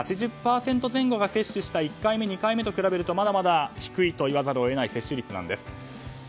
８０％前後が接種した１回目、２回目と比べるとまだまだ低いと言わざるを得ない接種率なんです。